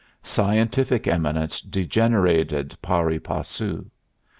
Scientific eminence degenerated pari passu.